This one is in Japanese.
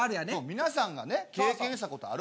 皆さんがね経験したことある。